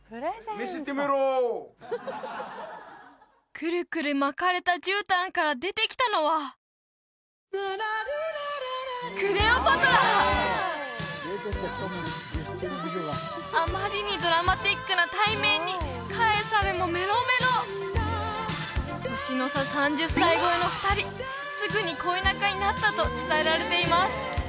くるくる巻かれた絨毯から出てきたのはあまりにドラマチックな対面にカエサルもメロメロ年の差３０歳超えの２人すぐに恋仲になったと伝えられています